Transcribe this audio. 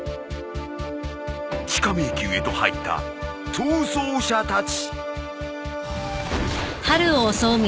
［地下迷宮へと入った逃走者たち］